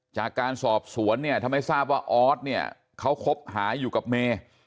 จากการสอบสวนเนี่ยทำให้ทราบว่าออสเนี่ยเขาคบหาอยู่กับเมย์